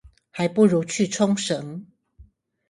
還不如去沖繩